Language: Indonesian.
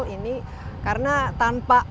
ini karena tanpa